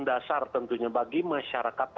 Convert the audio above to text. dasar tentunya bagi masyarakat